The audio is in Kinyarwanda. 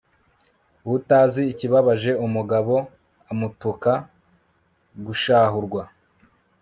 utazi ikibabaje umugabo amutuka gushahurwa